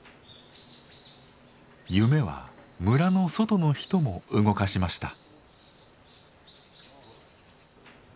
夢は村の外の人も動かしました。